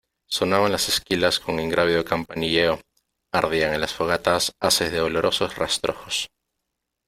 sonaban las esquilas con ingrávido campanilleo , ardían en las fogatas haces de olorosos rastrojos ,